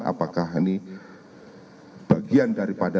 apakah ini bagian daripada